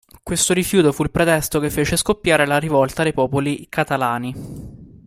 Questo rifiuto fu il pretesto che fece scoppiare la rivolta dei popoli catalani.